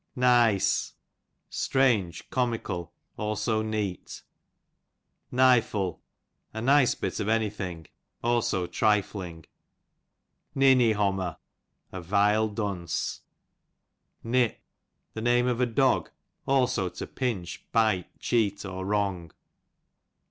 Nice, strange, comical, also necU, Nifle, a nice bit of anj thing, (dso trifling. NinnyhoQimer, a vile dunce. Nip, the name of a dog ; also to "pinch, bite, cheat, or wrong.